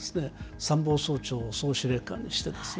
参謀総長を総司令官にしてですよ。